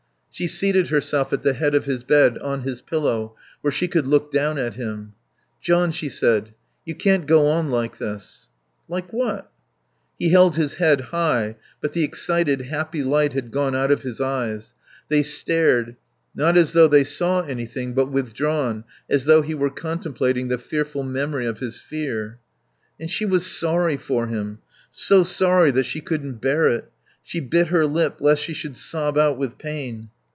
She seated herself at the head of his bed, on his pillow, where she could look down at him. "John," she said, "you can't go on like this " "Like what?" He held his head high; but the excited, happy light had gone out of his eyes; they stared, not as though they saw anything, but withdrawn, as though he were contemplating the fearful memory of his fear. And she was sorry for him, so sorry that she couldn't bear it. She bit her lip lest she should sob out with pain.